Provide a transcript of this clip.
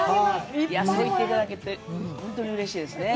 そう言っていただけて、本当にうれしいですね。